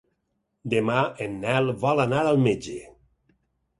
Demà en Nel vol anar al metge.